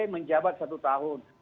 menjabat satu tahun